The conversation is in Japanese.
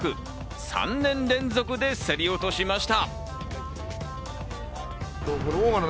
３年連続で競り落としました。